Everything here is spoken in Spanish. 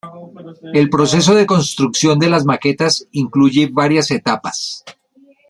El proceso de construcción de las maquetas incluye varias etapas.